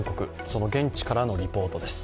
その現地からのリポートです。